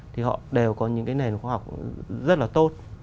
thì họ đều có những cái nền khoa học rất là tốt